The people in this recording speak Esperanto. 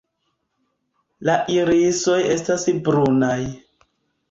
La irisoj estas brunaj.